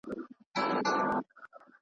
عقل چي پردی سي له زمان سره به څه کوو .